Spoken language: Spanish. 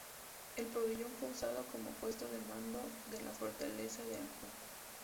El pabellón fue usado cómo puesto de mando de la fortaleza de Anju.